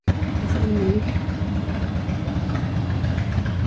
Es sobrino nieto de Alberto "Toto" Terry.